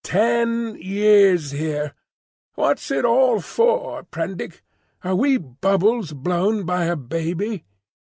Ten years here! What's it all for, Prendick? Are we bubbles blown by a baby?"